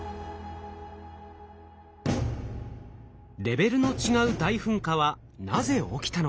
レベルの違う大噴火はなぜ起きたのか？